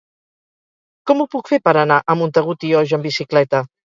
Com ho puc fer per anar a Montagut i Oix amb bicicleta?